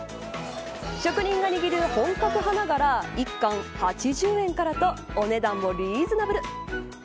職人が握る本格派ながら一貫８０円からとお値段もリーズナブル。